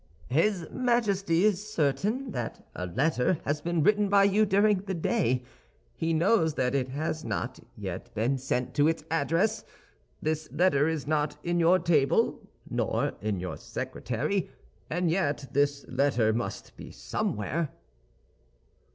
"His majesty is certain that a letter has been written by you during the day; he knows that it has not yet been sent to its address. This letter is not in your table nor in your secretary; and yet this letter must be somewhere."